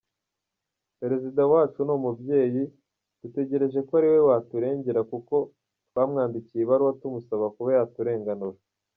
Perezida wacu ni umubyeyi dutegereje ko ariwe waturengera kuko twamwandikiye ibaruwa tumusaba kuba yaturenganura.